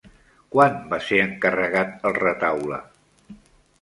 Quan va ser encarregat el retaule?